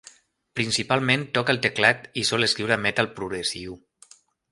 Principalment toca el teclat i sol escriure metal progressiu.